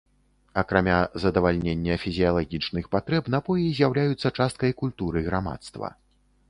Акрамя задавальнення фізіялагічных патрэб напоі з'яўляюцца часткай культуры грамадства.